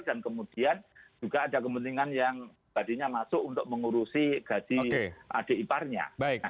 dan kemudian juga ada kepentingan yang badinya masuk untuk mengurusi gaji adik iparnya